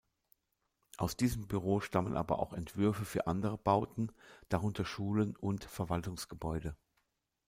Aus diesem Büro stammen aber auch Entwürfe für andere Bauten, darunter Schulen und Verwaltungsgebäude.